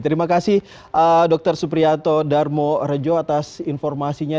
terima kasih dr supriyato darmo rejo atas informasinya